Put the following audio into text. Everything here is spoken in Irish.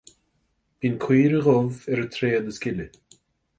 Bíonn caora dhubh ar an tréad is gile